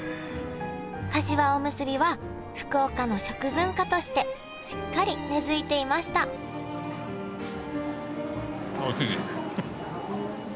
かしわおむすびは福岡の食文化としてしっかり根づいていましたおいしいです！